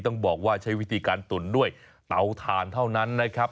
ต้องบอกว่าใช้วิธีการตุ๋นด้วยเตาถ่านเท่านั้นนะครับ